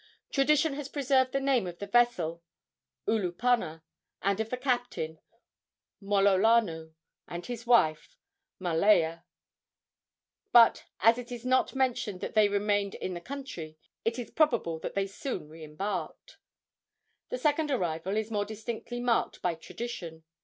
Tradition has preserved the name of the vessel (Ulupana) and of the captain (Mololano) and his wife (Malaea); but as it is not mentioned that they remained in the country, it is probable that they soon re embarked. The second arrival is more distinctly marked by tradition.